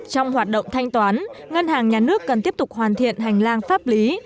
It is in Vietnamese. trong hoạt động thanh toán ngân hàng nhà nước cần tiếp tục hoàn thiện hành lang pháp lý